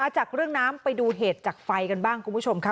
จากเรื่องน้ำไปดูเหตุจากไฟกันบ้างคุณผู้ชมค่ะ